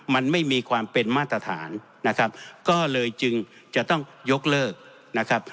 มันไม่มีความเป็นมาตรฐานนะครับก็เลยจึงจะต้องยกเลิกนะครับ